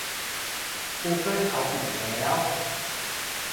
กูเกิลเอาอีกแล้ว !